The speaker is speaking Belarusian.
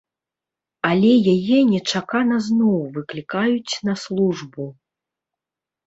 Але яе нечакана зноў выклікаюць на службу.